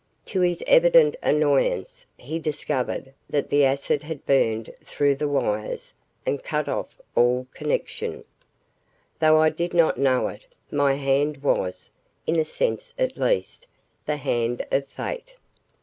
To his evident annoyance, he discovered that the acid had burned through the wires and cut off all connection. Though I did not know it, my hand was, in a sense at least, the hand of fate.